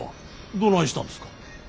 どないしたんですか？